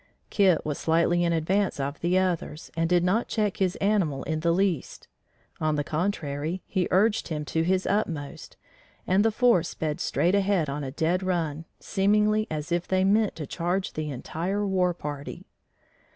Kit was slightly in advance of the others, and he did not check his animal in the least. On the contrary, he urged him to his utmost, and the four sped straight ahead on a dead run, seemingly as if they meant to charge the entire war party.